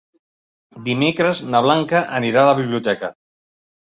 Dimecres na Blanca anirà a la biblioteca.